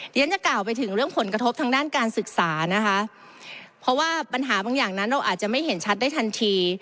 เดี๋ยวฉันจะกล่าวไปถึงเรื่องผลกระทบทางด้านการศึกษานะคะเพราะว่าปัญหาบางอย่างนั้นเราอาจจะไม่เห็นชัดได้ทันที